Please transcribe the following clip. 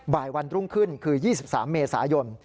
วันรุ่งขึ้นคือ๒๓เมษายน